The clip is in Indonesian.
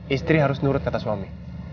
istri harus nurut kata suami